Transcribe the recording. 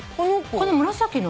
この紫の？